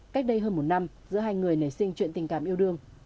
cách đây hơn một năm giữa hai người nảy sinh chuyện tình cảm yêu đương